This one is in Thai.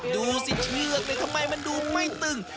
ดูสิเชือกทำไมมันดูไม่ตึง